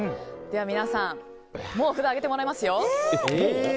皆さん、もう札上げてもらいますよ。